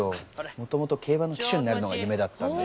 もともと競馬の騎手になるのが夢だったんで。